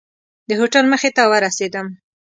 د هوټل مخې ته ورسېدم.